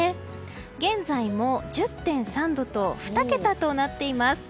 現在も１０．３度と２桁となっています。